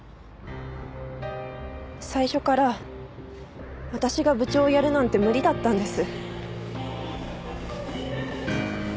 最初から私が部長をやるなんて無理だったんです。